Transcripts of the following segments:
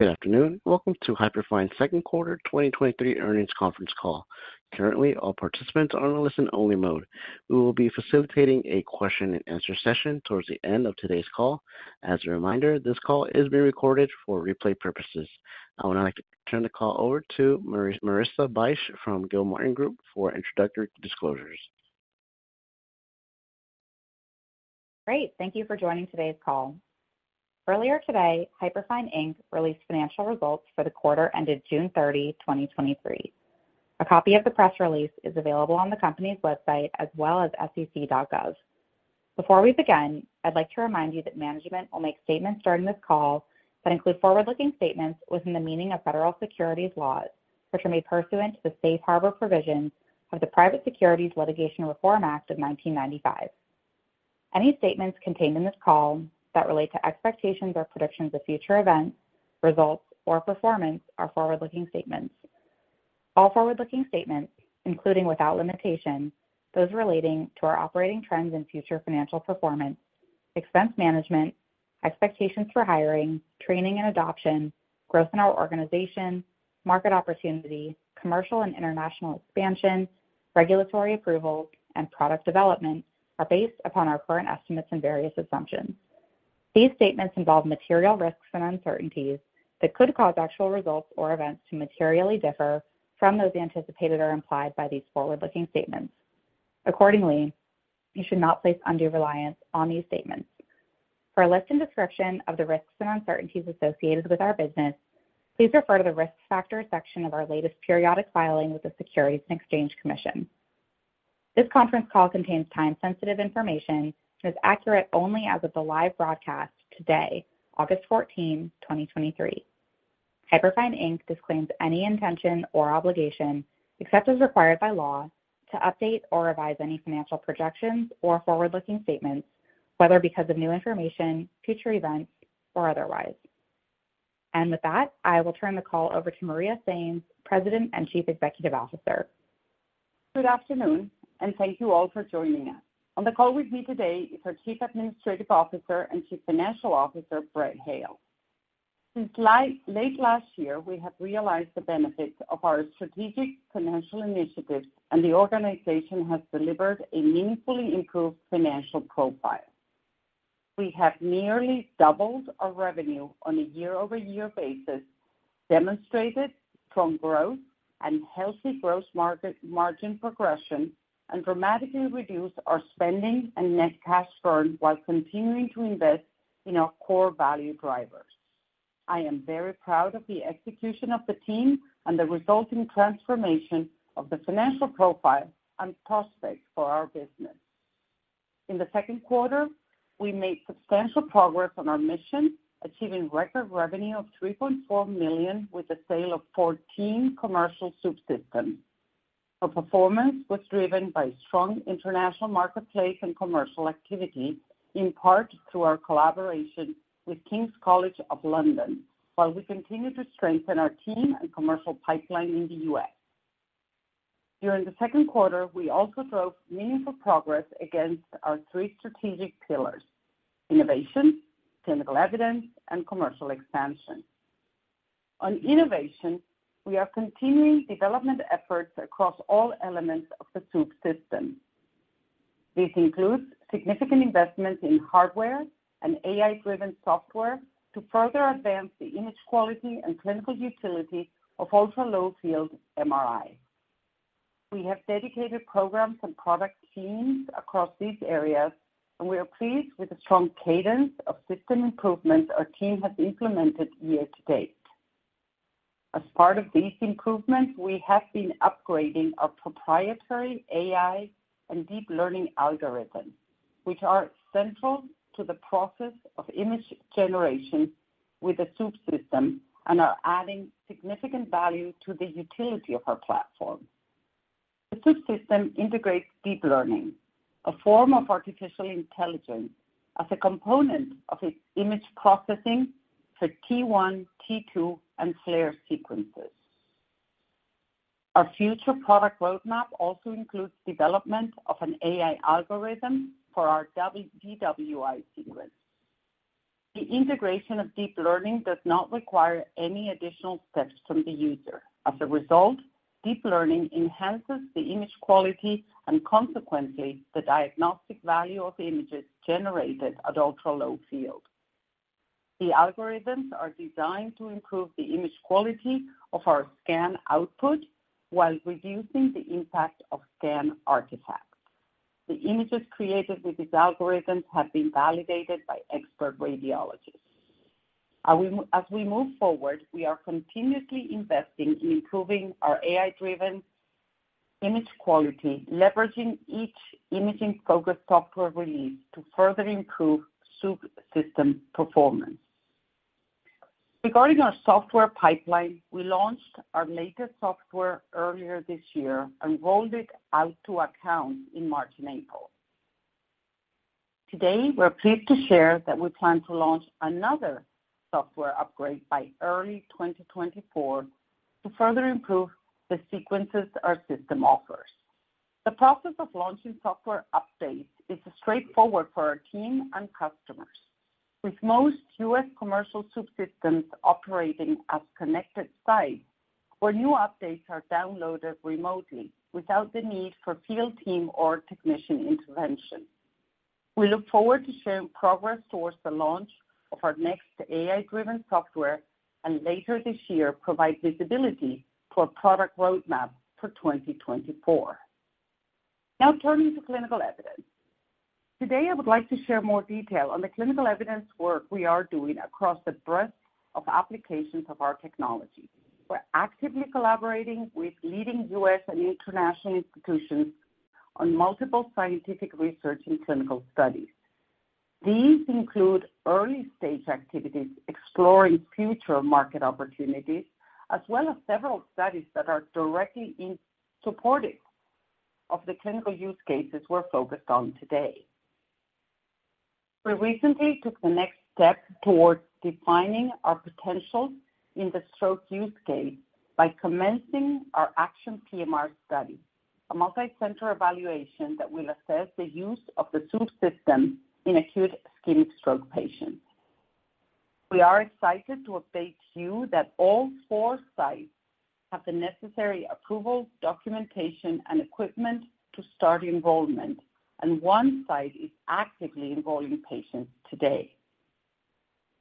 Good afternoon, and welcome to Hyperfine's second quarter 2023 earnings conference call. Currently, all participants are on a listen-only mode. We will be facilitating a question-and-answer session towards the end of today's call. As a reminder, this call is being recorded for replay purposes. I would like to turn the call over to Marissa Bych from Gilmartin Group for introductory disclosures. Great. Thank you for joining today's call. Earlier today, Hyperfine Inc. released financial results for the quarter ended June 30, 2023. A copy of the press release is available on the company's website as well as sec.gov. Before we begin, I'd like to remind you that management will make statements during this call that include forward-looking statements within the meaning of federal securities laws, which are made pursuant to the Safe Harbor provisions of the Private Securities Litigation Reform Act of 1995. Any statements contained in this call that relate to expectations or predictions of future events, results, or performance are forward-looking statements. All forward-looking statements, including without limitation, those relating to our operating trends and future financial performance, expense management, expectations for hiring, training, and adoption, growth in our organization, market opportunity, commercial and international expansion, regulatory approvals, and product development, are based upon our current estimates and various assumptions. These statements involve material risks and uncertainties that could cause actual results or events to materially differ from those anticipated or implied by these forward-looking statements. Accordingly, you should not place undue reliance on these statements. For a list and description of the risks and uncertainties associated with our business, please refer to the Risk Factors section of our latest periodic filing with the Securities and Exchange Commission. This conference call contains time-sensitive information and is accurate only as of the live broadcast today, August 14, 2023. Hyperfine Inc disclaims any intention or obligation, except as required by law, to update or revise any financial projections or forward-looking statements, whether because of new information, future events, or otherwise. With that, I will turn the call over to Maria Sainz, President and Chief Executive Officer. Good afternoon. Thank you all for joining us. On the call with me today is our Chief Administrative Officer and Chief Financial Officer, Brett Hale. Since late last year, we have realized the benefits of our strategic financial initiatives, and the organization has delivered a meaningfully improved financial profile. We have nearly doubled our revenue on a year-over-year basis, demonstrated strong growth and healthy gross margin progression, and dramatically reduced our spending and net cash burn while continuing to invest in our core value drivers. I am very proud of the execution of the team and the resulting transformation of the financial profile and prospects for our business. In the second quarter, we made substantial progress on our mission, achieving record revenue of $3.4 million with the sale of 14 commercial Swoop Systems. Our performance was driven by strong international marketplace and commercial activity, in part through our collaboration with King's College London, while we continue to strengthen our team and commercial pipeline in the U.S. During the second quarter, we also drove meaningful progress against our three strategic pillars: innovation, clinical evidence, and commercial expansion. On innovation, we are continuing development efforts across all elements of the Swoop system. This includes significant investments in hardware and AI-driven software to further advance the image quality and clinical utility of ultra-low-field MRI. We have dedicated programs and product teams across these areas, and we are pleased with the strong cadence of system improvements our team has implemented year to date. As part of these improvements, we have been upgrading our proprietary AI and deep learning algorithms, which are central to the process of image generation with the Swoop system and are adding significant value to the utility of our platform. The Swoop system integrates deep learning, a form of artificial intelligence, as a component of its image processing for T1, T2, and FLAIR sequences. Our future product roadmap also includes development of an AI algorithm for our DWI sequence. The integration of deep learning does not require any additional steps from the user. As a result, deep learning enhances the image quality and consequently, the diagnostic value of images generated at ultra-low field. The algorithms are designed to improve the image quality of our scan output while reducing the impact of scan artifacts. The images created with these algorithms have been validated by expert radiologists. As we, as we move forward, we are continuously investing in improving our AI-driven image quality, leveraging each imaging-focused software release to further improve Swoop system performance. Regarding our software pipeline, we launched our latest software earlier this year and rolled it out to accounts in March and April. Today, we're pleased to share that we plan to launch another software upgrade by early 2024 to further improve the sequences our system offers. The process of launching software updates is straightforward for our team and customers, with most U.S. commercial Swoop systems operating as connected sites, where new updates are downloaded remotely without the need for field team or technician intervention. We look forward to sharing progress towards the launch of our next AI-driven software, and later this year, provide visibility to our product roadmap for 2024. Turning to clinical evidence. Today, I would like to share more detail on the clinical evidence work we are doing across the breadth of applications of our technology. We're actively collaborating with leading U.S. and international institutions on multiple scientific research and clinical studies. These include early-stage activities exploring future market opportunities, as well as several studies that are directly in supportive of the clinical use cases we're focused on today. We recently took the next step towards defining our potential in the stroke use case by commencing our ACTION PMR study, a multicenter evaluation that will assess the use of the Swoop system in acute ischemic stroke patients. We are excited to update you that all four sites have the necessary approvals, documentation, and equipment to start enrollment, and one site is actively enrolling patients today.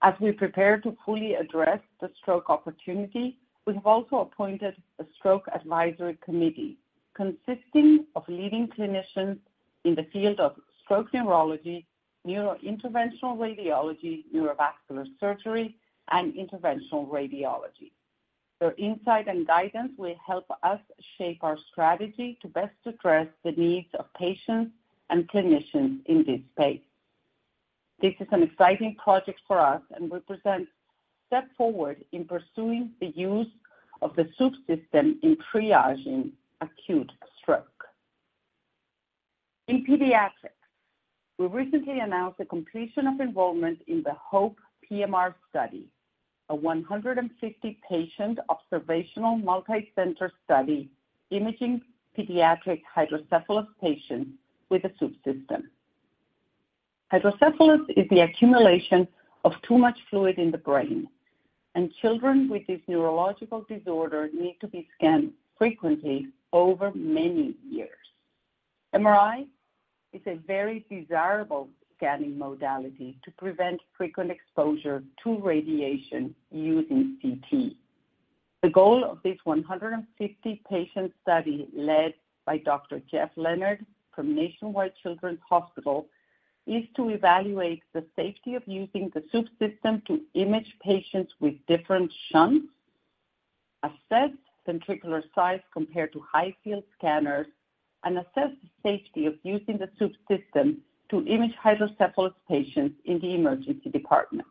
As we prepare to fully address the stroke opportunity, we have also appointed a stroke advisory committee consisting of leading clinicians in the field of stroke neurology, neurointerventional radiology, neurovascular surgery, and interventional radiology. Their insight and guidance will help us shape our strategy to best address the needs of patients and clinicians in this space. This is an exciting project for us and represents a step forward in pursuing the use of the Swoop system in triaging acute stroke. In pediatrics, we recently announced the completion of enrollment in the HOPE PMR study, a 150 patient observational multicenter study, imaging pediatric hydrocephalus patients with a Swoop system. Hydrocephalus is the accumulation of too much fluid in the brain, and children with this neurological disorder need to be scanned frequently over many years. MRI is a very desirable scanning modality to prevent frequent exposure to radiation using CT. The goal of this 150 patient study, led by Dr. Jeff Leonard from Nationwide Children's Hospital, is to evaluate the safety of using the Swoop system to image patients with different shunts, assess ventricular size compared to high field scanners, and assess the safety of using the Swoop system to image hydrocephalus patients in the emergency department.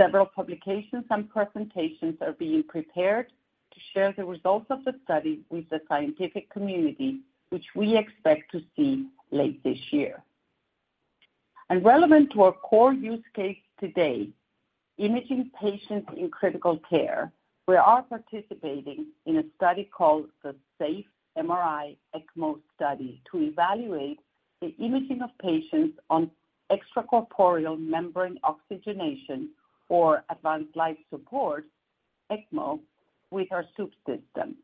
Several publications and presentations are being prepared to share the results of the study with the scientific community, which we expect to see late this year. Relevant to our core use case today, imaging patients in critical care, we are participating in a study called the SAFE-MRI ECMO study, to evaluate the imaging of patients on extracorporeal membrane oxygenation, or advanced life support, ECMO, with our Swoop system.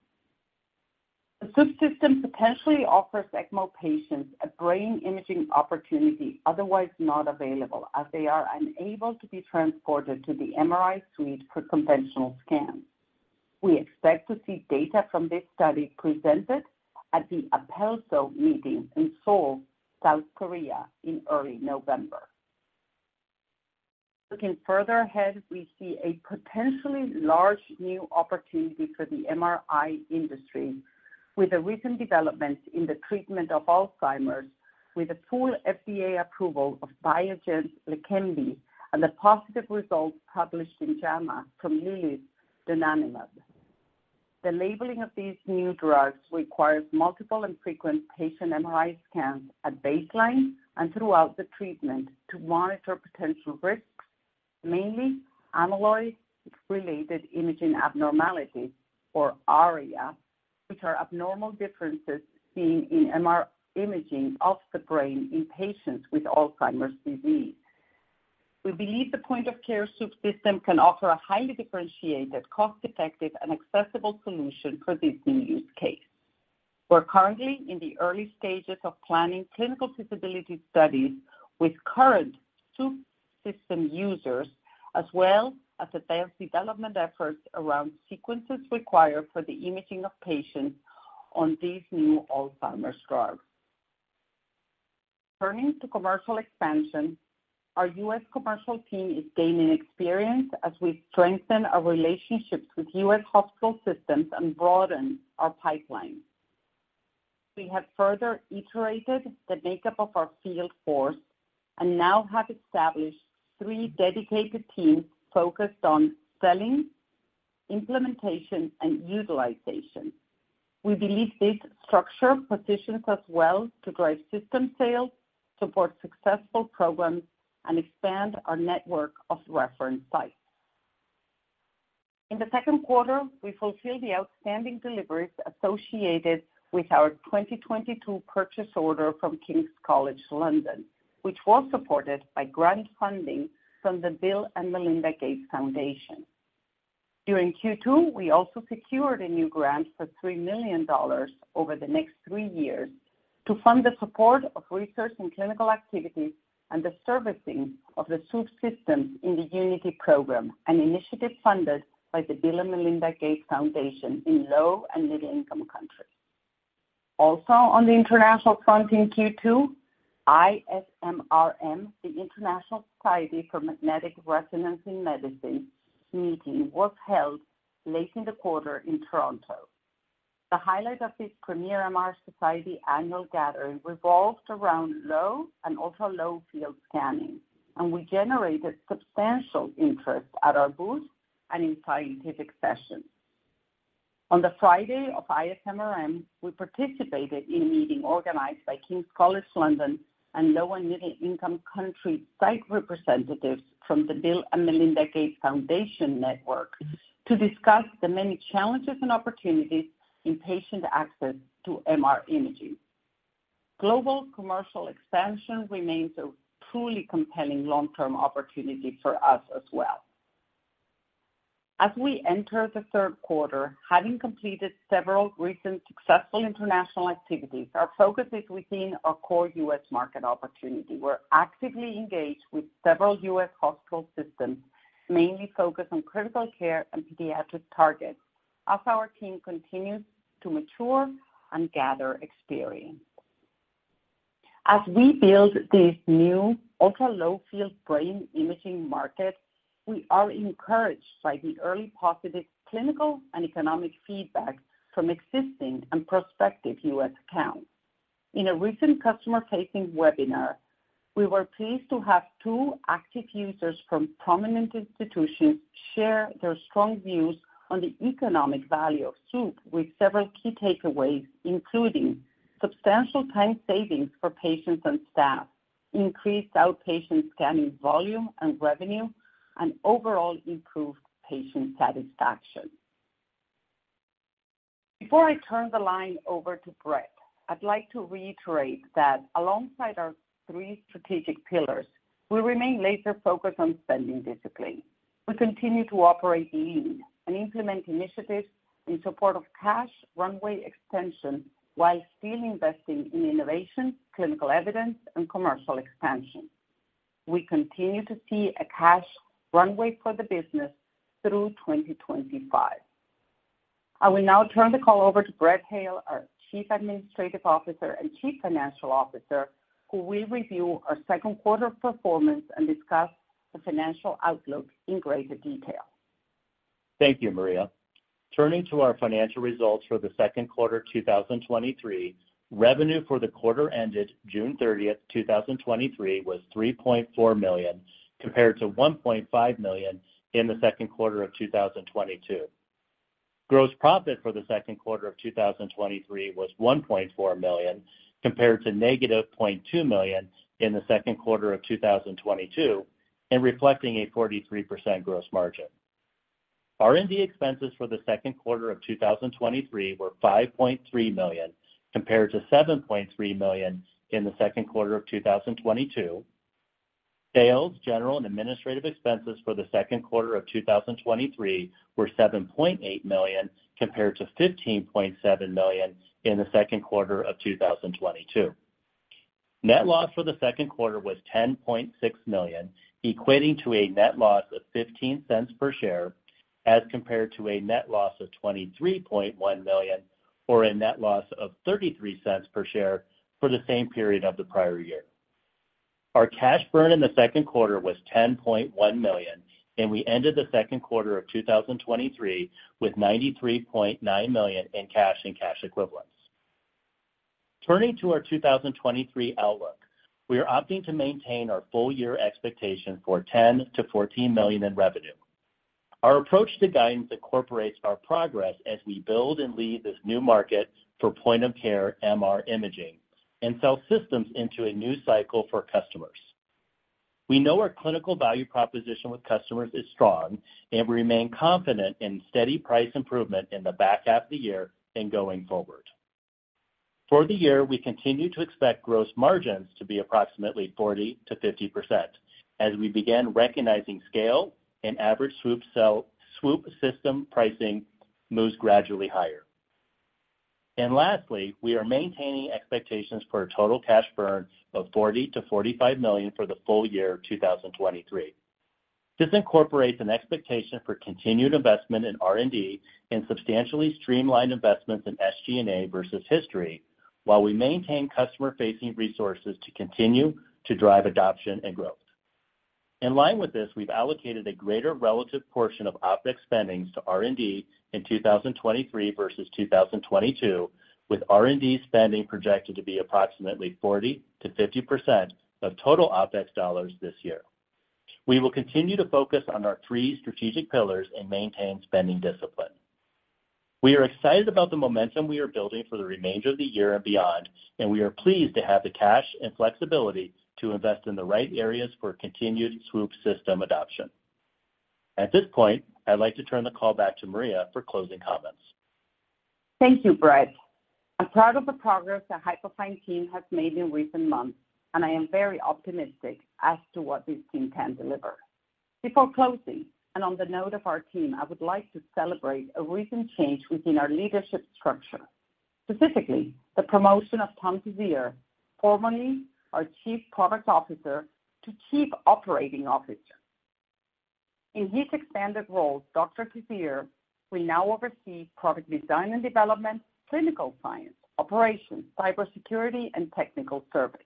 The Swoop system potentially offers ECMO patients a brain imaging opportunity otherwise not available, as they are unable to be transported to the MRI suite for conventional scans. We expect to see data from this study presented at the APELSO meeting in Seoul, South Korea, in early November. Looking further ahead, we see a potentially large new opportunity for the MRI industry with the recent developments in the treatment of Alzheimer's, with the full FDA approval of Biogen's Leqembi, and the positive results published in JAMA from Lilly's Donanemab. The labeling of these new drugs requires multiple and frequent patient MRI scans at baseline and throughout the treatment to monitor potential risks, mainly amyloid-related imaging abnormalities, or ARIA, which are abnormal differences seen in MR imaging of the brain in patients with Alzheimer's disease. We believe the point-of-care Swoop system can offer a highly differentiated, cost-effective, and accessible solution for this new use case. We're currently in the early stages of planning clinical feasibility studies with current Swoop system users, as well as advanced development efforts around sequences required for the imaging of patients on these new Alzheimer's drugs. Turning to commercial expansion, our US commercial team is gaining experience as we strengthen our relationships with US hospital systems and broaden our pipeline. We have further iterated the makeup of our field force and now have established three dedicated teams focused on selling, implementation, and utilization. We believe this structure positions us well to drive system sales, support successful programs, and expand our network of reference sites. In the second quarter, we fulfilled the outstanding deliveries associated with our 2022 purchase order from King's College London, which was supported by grant funding from the Bill & Melinda Gates Foundation. During Q2, we also secured a new grant for $3 million over the next three years to fund the support of research and clinical activities and the servicing of the Swoop systems in the UNITY Program, an initiative funded by the Bill & Melinda Gates Foundation in low and middle-income countries. Also, on the international front, in Q2, ISMRM, the International Society for Magnetic Resonance in Medicine meeting, was held late in the quarter in Toronto. The highlight of this premier MR society annual gathering revolved around low and ultra-low-field scanning, and we generated substantial interest at our booth and in scientific sessions. On the Friday of ISMRM, we participated in a meeting organized by King's College London and low- and middle-income country site representatives from the Bill & Melinda Gates Foundation network to discuss the many challenges and opportunities in patient access to MR imaging. Global commercial expansion remains a truly compelling long-term opportunity for us as well. As we enter the third quarter, having completed several recent successful international activities, our focus is within our core US market opportunity. We're actively engaged with several US hospital systems, mainly focused on critical care and pediatric targets, as our team continues to mature and gather experience. As we build this new ultra-low-field brain imaging market, we are encouraged by the early positive clinical and economic feedback from existing and prospective U.S. accounts. In a recent customer-facing webinar, we were pleased to have two active users from prominent institutions share their strong views on the economic value of Swoop, with several key takeaways, including substantial time savings for patients and staff, increased outpatient scanning volume and revenue, and overall improved patient satisfaction. Before I turn the line over to Brett, I'd like to reiterate that alongside our three strategic pillars, we remain laser-focused on spending discipline. We continue to operate lean and implement initiatives in support of cash runway extension, while still investing in innovation, clinical evidence, and commercial expansion. We continue to see a cash runway for the business through 2025. I will now turn the call over to Brett Hale, our Chief Administrative Officer and Chief Financial Officer, who will review our second quarter performance and discuss the financial outlook in greater detail. Thank you, Maria. Turning to our financial results for the second quarter, 2023, revenue for the quarter ended June 30, 2023, was $3.4 million, compared to $1.5 million in the second quarter of 2022. Gross profit for the second quarter of 2023 was $1.4 million, compared to -$0.2 million in the second quarter of 2022, and reflecting a 43% gross margin. R&D expenses for the second quarter of 2023 were $5.3 million, compared to $7.3 million in the second quarter of 2022. Sales, general, and administrative expenses for the second quarter of 2023 were $7.8 million, compared to $15.7 million in the second quarter of 2022. Net loss for the second quarter was $10.6 million, equating to a net loss of $0.15 per share, as compared to a net loss of $23.1 million, or a net loss of $0.33 per share for the same period of the prior year. Our cash burn in the second quarter was $10.1 million, and we ended the second quarter of 2023 with $93.9 million in cash and cash equivalents. Turning to our 2023 outlook, we are opting to maintain our full year expectation for $10 million-$14 million in revenue. Our approach to guidance incorporates our progress as we build and lead this new market for point-of-care MR imaging and sell systems into a new cycle for customers. We know our clinical value proposition with customers is strong, and we remain confident in steady price improvement in the back half of the year and going forward. For the year, we continue to expect gross margins to be approximately 40%-50% as we begin recognizing scale and average Swoop system pricing moves gradually higher. Lastly, we are maintaining expectations for a total cash burn of $40 million-$45 million for the full year of 2023. This incorporates an expectation for continued investment in R&D and substantially streamlined investments in SG&A versus history, while we maintain customer-facing resources to continue to drive adoption and growth. In line with this, we've allocated a greater relative portion of OpEx spendings to R&D in 2023 versus 2022, with R&D spending projected to be approximately 40%-50% of total OpEx dollars this year. We will continue to focus on our three strategic pillars and maintain spending discipline. We are excited about the momentum we are building for the remainder of the year and beyond, and we are pleased to have the cash and flexibility to invest in the right areas for continued Swoop system adoption. At this point, I'd like to turn the call back to Maria for closing comments. Thank you, Brett. I'm proud of the progress the Hyperfine team has made in recent months, and I am very optimistic as to what this team can deliver. Before closing, and on the note of our team, I would like to celebrate a recent change within our leadership structure, specifically the promotion of Tom Teisseyre, formerly our Chief Product Officer, to Chief Operating Officer. In his expanded role, Dr. Kevier will now oversee product design and development, clinical science, operations, cybersecurity, and technical service.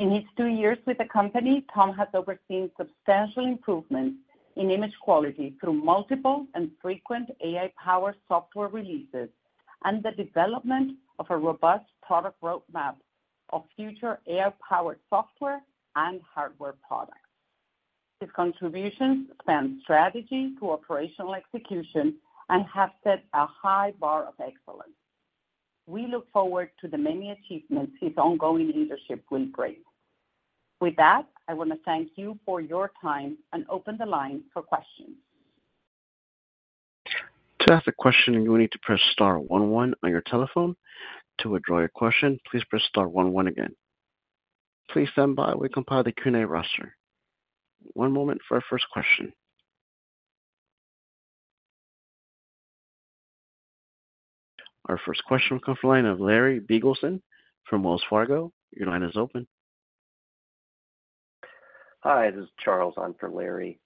In his two years with the company, Tom has overseen substantial improvements in image quality through multiple and frequent AI-powered software releases and the development of a robust product roadmap of future AI-powered software and hardware products. His contributions span strategy to operational execution and have set a high bar of excellence. We look forward to the many achievements his ongoing leadership will bring. With that, I want to thank you for your time and open the line for questions. To ask a question, you will need to press star one one on your telephone. To withdraw your question, please press star one one again. Please stand by, we compile the Q&A roster. One moment for our first question. Our first question will come from the line of Larry Biegelsen from Wells Fargo. Your line is open. Hi, this is Charles on for Larry.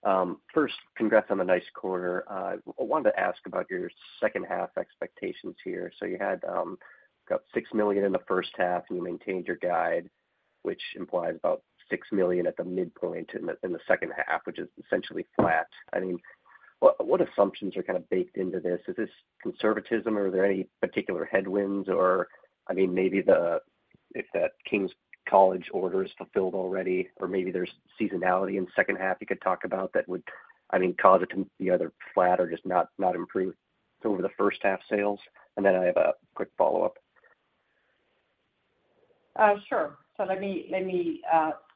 First, congrats on the nice quarter. I wanted to ask about your second half expectations here. So you had got $6 million in the first half, and you maintained your guide, which implies about $6 million at the midpoint in the second half, which is essentially flat. I mean, what assumptions are kind of baked into this? Is this conservatism, or are there any particular headwinds, or, I mean, maybe if that King's College London order is fulfilled already, or maybe there's seasonality in the second half you could talk about that would, I mean, cause it to be either flat or just not improve over the first half sales? Then I have a quick follow-up. Sure. Let me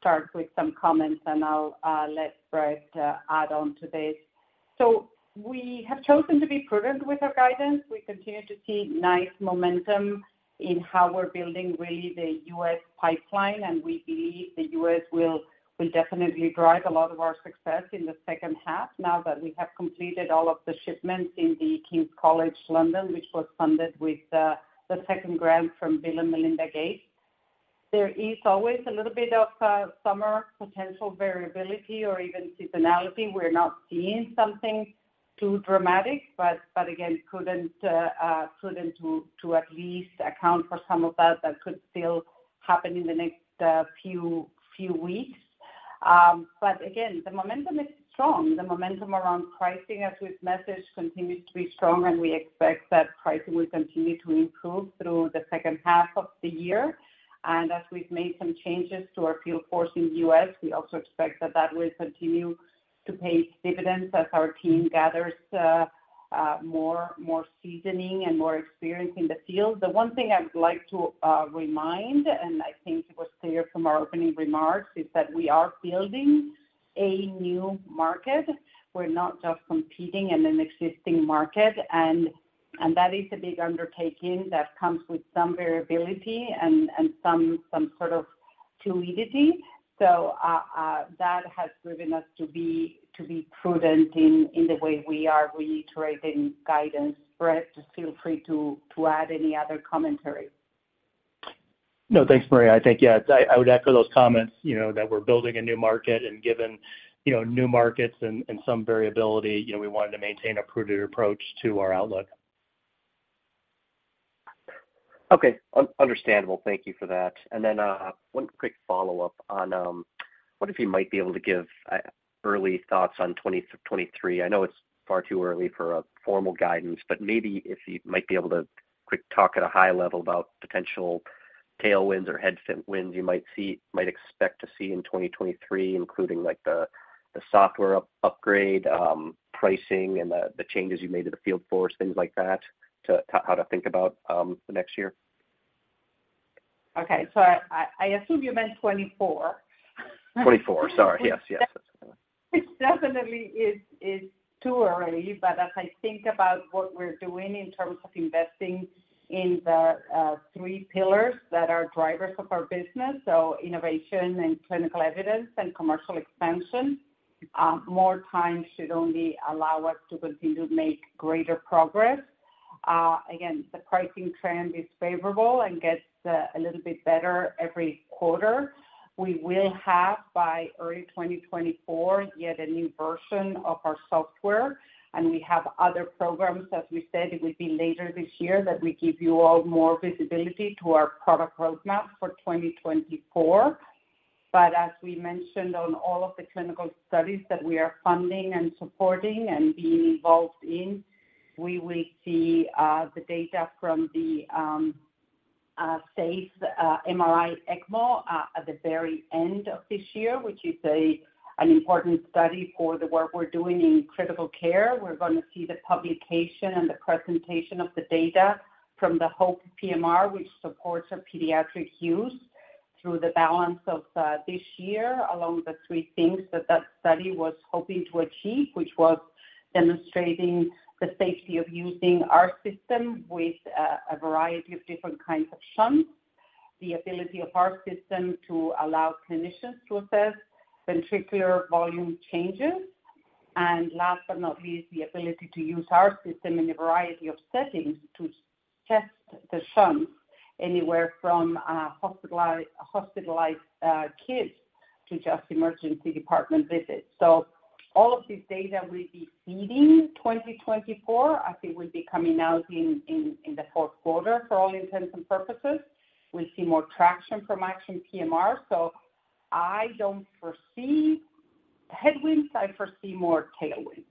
start with some comments, and I'll let Brett add on to this. We have chosen to be prudent with our guidance. We continue to see nice momentum in how we're building really the U.S. pipeline, and we believe the U.S. will definitely drive a lot of our success in the second half now that we have completed all of the shipments in the King's College London, which was funded with the second grant from Bill and Melinda Gates. There is always a little bit of summer potential variability or even seasonality. We're not seeing something too dramatic, but again, couldn't to at least account for some of that, that could still happen in the next few weeks. Again, the momentum is strong. The momentum around pricing, as we've messaged, continues to be strong, and we expect that pricing will continue to improve through the second half of the year. As we've made some changes to our field force in the U.S., we also expect that that will continue to pay dividends as our team gathers, more, more seasoning and more experience in the field. The one thing I would like to, remind, and I think it was clear from our opening remarks, is that we are building a new market. We're not just competing in an existing market, and, and that is a big undertaking that comes with some variability and, and some, some sort of fluidity. That has driven us to be, to be prudent in, in the way we are reiterating guidance. Brett, feel free to, to add any other commentary. No, thanks, Maria. I think, yeah, I, I would echo those comments, you know, that we're building a new market and given, you know, new markets and, and some variability, you know, we wanted to maintain a prudent approach to our outlook. Okay, understandable. Thank you for that. Then, one quick follow-up on what if you might be able to give early thoughts on 2023. I know it's far too early for a formal guidance, but maybe if you might be able to quick talk at a high level about potential tailwinds or headwinds you might expect to see in 2023, including, like, the software upgrade, pricing and the changes you made to the field force, things like that, to, how to think about the next year. Okay. I assume you meant 2024. 24. Sorry. Yes, yes. It definitely is, is too early, but as I think about what we're doing in terms of investing in the 3 pillars that are drivers of our business, so innovation and clinical evidence and commercial expansion, more time should only allow us to continue to make greater progress. Again, the pricing trend is favorable and gets a little bit better every quarter. We will have, by early 2024, yet a new version of our software, and we have other programs. As we said, it will be later this year that we give you all more visibility to our product roadmap for 2024. As we mentioned on all of the clinical studies that we are funding and supporting and being involved in, we will see the data from the... Safe MRI ECMO, at the very end of this year, which is an important study for the work we're doing in critical care. We're gonna see the publication and the presentation of the data from the HOPE PMR, which supports a pediatric use through the balance of this year, along the three things that that study was hoping to achieve, which was demonstrating the safety of using our system with a variety of different kinds of shunts, the ability of our system to allow clinicians to assess ventricular volume changes, and last but not least, the ability to use our system in a variety of settings to test the shunts anywhere from hospitalized kids to just emergency department visits. All of these data will be feeding 2024. I think we'll be coming out in, in, in the fourth quarter, for all intents and purposes. We see more traction from ACTION PMR. I don't foresee headwinds. I foresee more tailwinds.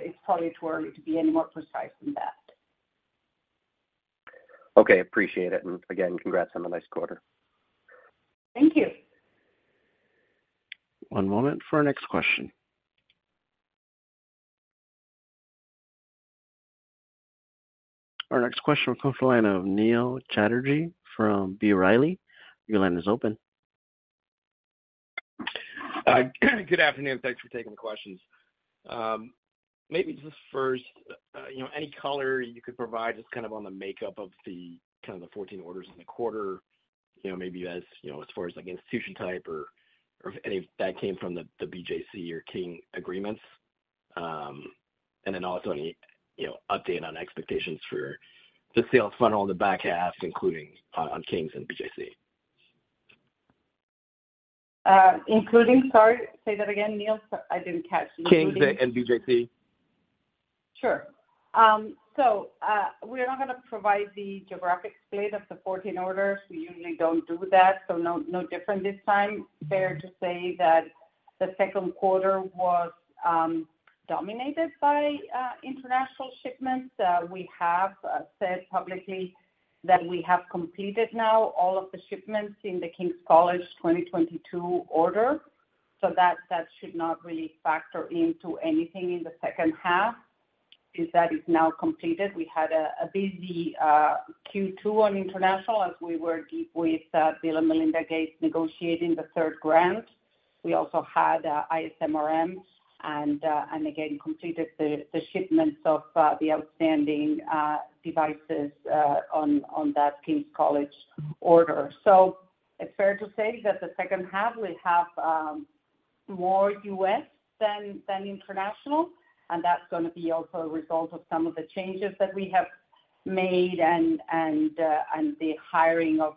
It's probably too early to be any more precise than that. Okay, appreciate it. again, congrats on a nice quarter. Thank you. One moment for our next question. Our next question will come from the line of Neil Chatterjee from B. Riley. Your line is open. Good afternoon. Thanks for taking the questions. Maybe just first, you know, any color you could provide, just kind of on the makeup of the, kind of the 14 orders in the quarter, you know, maybe as, you know, as far as, like, institution type or, or if any of that came from the, the BJC or King agreements? Then also, any, you know, update on expectations for the sales funnel in the back half, including, on Kings and BJC? including... Sorry, say that again, Neil. I didn't catch the- King's BJC. Sure. We are not gonna provide the geographic split of the 14 orders. We usually don't do that, so no, no different this time. Fair to say that the second quarter was dominated by international shipments. We have said publicly that we have completed now all of the shipments in the King's College 2022 order, so that, that should not really factor into anything in the second half, as that is now completed. We had a busy Q2 on international as we were deep with Bill & Melinda Gates negotiating the 3 grant. We also had ISMRM and again, completed the shipments of the outstanding devices on that King's College order. It's fair to say that the second half will have more US than, than international, and that's gonna be also a result of some of the changes that we have made and, and the hiring of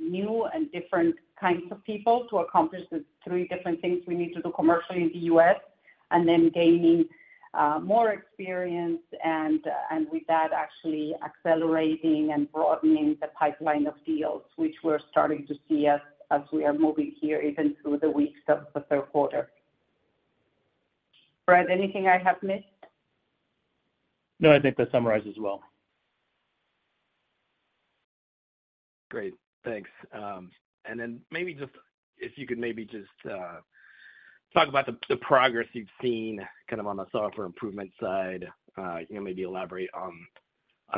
new and different kinds of people to accomplish the three different things we need to do commercially in the US. Gaining more experience and with that, actually accelerating and broadening the pipeline of deals, which we're starting to see as, as we are moving here even through the weeks of the third quarter. Fred, anything I have missed? No, I think that summarizes well. Great, thanks. Maybe just if you could maybe just talk about the progress you've seen kind of on the software improvement side, you know, maybe elaborate on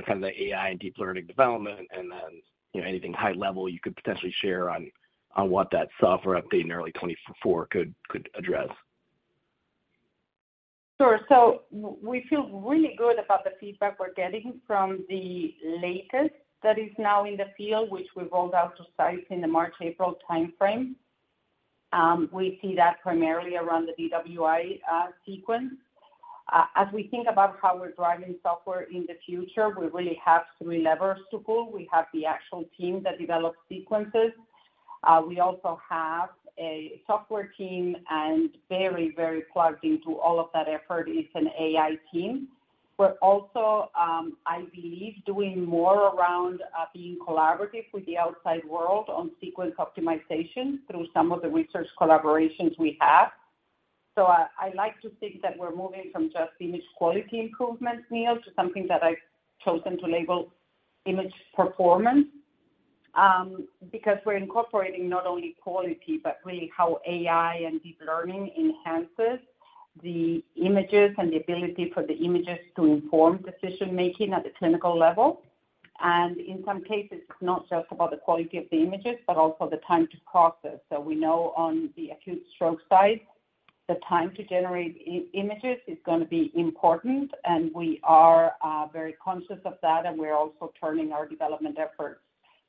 kind of the AI and deep learning development, and then, you know, anything high level you could potentially share on what that software update in early 2024 could address? Sure. We feel really good about the feedback we're getting from the latest that is now in the field, which we rolled out to sites in the March, April timeframe. We see that primarily around the DWI sequence. As we think about how we're driving software in the future, we really have three levers to pull. We have the actual team that develops sequences. We also have a software team, and very, very plugged into all of that effort is an AI team. We're also, I believe, doing more around being collaborative with the outside world on sequence optimization through some of the research collaborations we have. I, I like to think that we're moving from just image quality improvement, Neil, to something that I've chosen to label image performance. Because we're incorporating not only quality, but really how AI and deep learning enhances the images and the ability for the images to inform decision-making at the clinical level. In some cases, it's not just about the quality of the images, but also the time to process. We know on the acute stroke side, the time to generate images is gonna be important, and we are very conscious of that, and we're also turning our development efforts,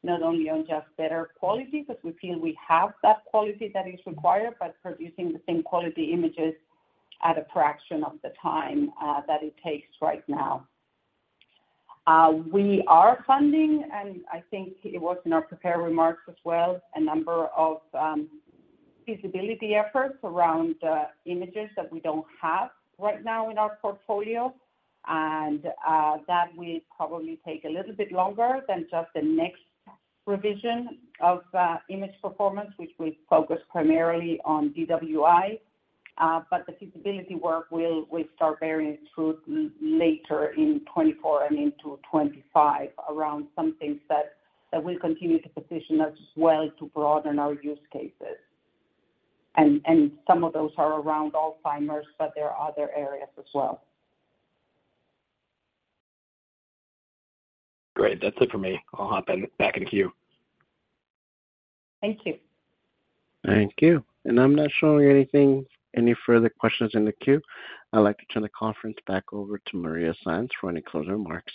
not only on just better quality, but we feel we have that quality that is required, but producing the same quality images at a fraction of the time that it takes right now. We are funding, and I think it was in our prepared remarks as well, a number of feasibility efforts around images that we don't have right now in our portfolio, and that will probably take a little bit longer than just the next revision of image performance, which we focus primarily on DWI. But the feasibility work We start bearing fruit later in 2024 and into 2025 around some things that, that we continue to position as well to broaden our use cases. And some of those are around Alzheimer's, but there are other areas as well. Great. That's it for me. I'll hop back in the queue. Thank you. Thank you. I'm not showing anything, any further questions in the queue. I'd like to turn the conference back over to Maria Sainz for any closing remarks.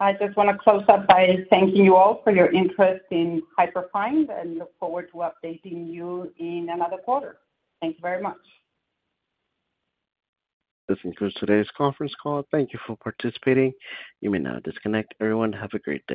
I just want to close out by thanking you all for your interest in Hyperfine and look forward to updating you in another quarter. Thank you very much. This concludes today's conference call. Thank you for participating. You may now disconnect. Everyone, have a great day.